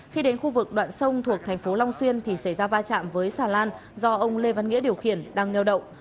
khi đến khu vực đoạn sông thuộc thành phố long xuyên thì xảy ra va chạm với xà lan do ông lê văn nghĩa điều khiển đang neo đậu